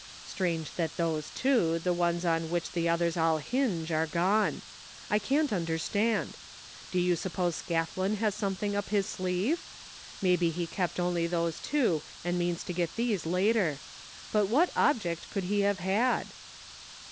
Strange that those two, the ones on which the 117 THE FINDING OF JASPER HOLT others all hinge, are gone! I can't understand. Do you suppose Scathlin has something up his sleeve? Maybe he kept only those two and means to get these later — but what object could he have had?